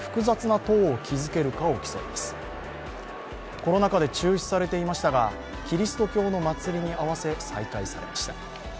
コロナ禍で中止されていましたがキリスト教の祭りに合わせ再開されました。